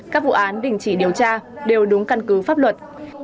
các vụ án đình chỉ điều tra đều đúng căn cứ pháp luật